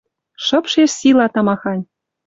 Шыпшеш сила тамахань.